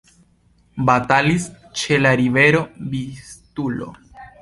Batalis ĉe la rivero Vistulo.